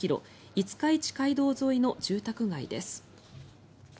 五日市街道沿いの住宅街です。